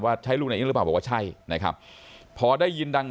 ใช้ลูกในอินหรือเปล่าบอกว่าใช่นะครับพอได้ยินดัง